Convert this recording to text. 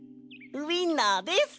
ウインナーです。